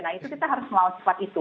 nah itu kita harus melawan spot itu